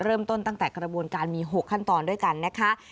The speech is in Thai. ตั้งแต่กระบวนการมี๖ขั้นตอนด้วยกันนะคะ